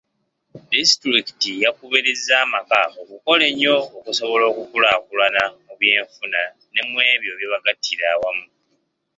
Disitulikiti yakubirizza amaka okukola ennyo okusobola okukulaakulana mu byenfuna ne mw'ebyo ebibagattira awamu.